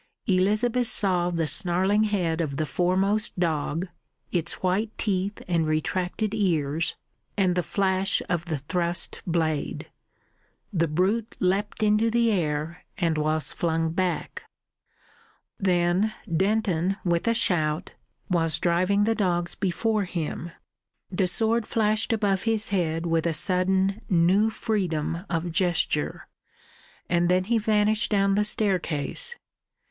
Elizabeth saw the snarling head of the foremost dog, its white teeth and retracted ears, and the flash of the thrust blade. The brute leapt into the air and was flung back. Then Denton, with a shout, was driving the dogs before him. The sword flashed above his head with a sudden new freedom of gesture, and then he vanished down the staircase.